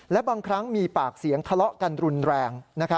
และบางครั้งมีปากเสียงทะเลาะกันรุนแรง